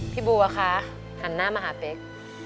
พี่บัวคะหันหน้ามาหาเป๊ก